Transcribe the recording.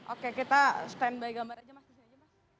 oke kita stand by gambar aja mas